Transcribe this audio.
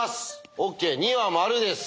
ＯＫ２は○です。